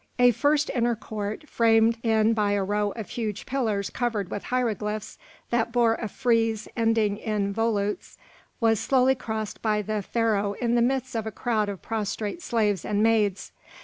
A first inner court, framed in by a row of huge pillars covered with hieroglyphs, that bore a frieze ending in volutes, was slowly crossed by the Pharaoh in the midst of a crowd of prostrate slaves and maids.